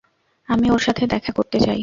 আমি ওর সাথে দেখা করতে চাই।